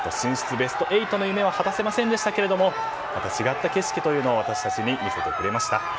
ベスト８の夢は果たせませんでしたがまた違った景色というのを私たちに見せてくれました。